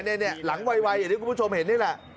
เนี่ยหลังวัยอย่างที่คุณผู้ชมเห็นนี่แหละ